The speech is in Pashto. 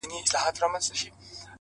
• يوه نه، دوې نه، څو دعاوي وكړو،